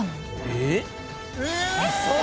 「えっ！？」